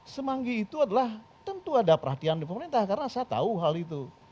semanggi itu adalah tentu ada perhatian di pemerintah karena saya tahu hal itu